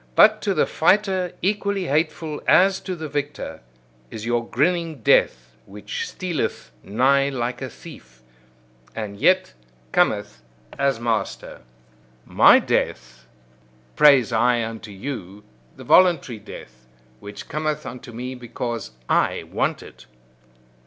But to the fighter equally hateful as to the victor, is your grinning death which stealeth nigh like a thief, and yet cometh as master. My death, praise I unto you, the voluntary death, which cometh unto me because I want it.